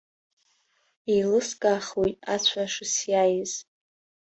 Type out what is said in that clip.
Иеилыскаахуеит ацәа шысиааиз.